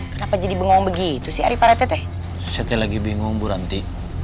kenapa jadi bingung begitu sih hari para teteh setelah lagi bingung bu ranti